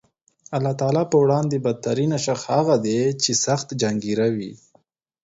د الله تعالی په وړاندې بد ترین شخص هغه دی چې سخت جنګېره وي